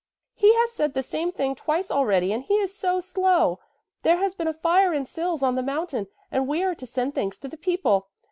"He has said the same thing twice already and he is so slow. There has been a fire in Sils on the mountain and we are to send things to the people.